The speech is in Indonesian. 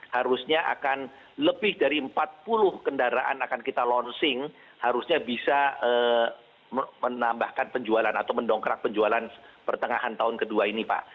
harusnya akan lebih dari empat puluh kendaraan akan kita launching harusnya bisa menambahkan penjualan atau mendongkrak penjualan pertengahan tahun kedua ini pak